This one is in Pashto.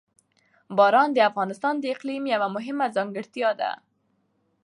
باران د افغانستان د اقلیم یوه مهمه ځانګړتیا ده.